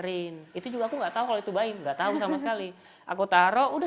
ini juga yang saya ingin kasih tau